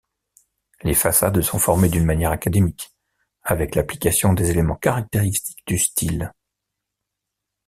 Les façades sont formées d'une manière académique, avec l'application des éléments caractéristiques du style.